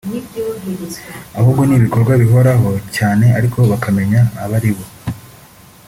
ahubwo ni ibikorwa bihoraho cyane ariko bakamenya abari bo